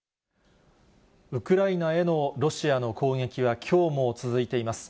ウクライナへのロシアの攻撃はきょうも続いています。